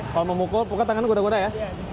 kalau mau mukul puka tangan kuda kuda ya